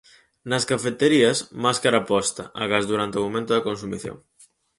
Nas cafeterías, máscara posta, agás durante o momento da consumición.